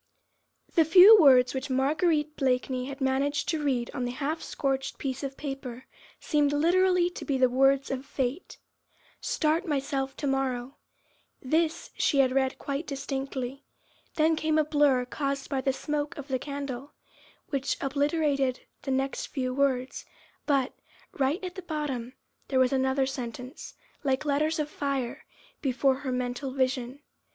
The few words which Marguerite Blakeney had managed to read on the half scorched piece of paper, seemed literally to be the words of Fate. "Start myself to morrow. ..." This she had read quite distinctly; then came a blur caused by the smoke of the candle, which obliterated the next few words; but, right at the bottom, there was another sentence, which was now standing clearly and distinctly, like letters of fire, before her mental vision.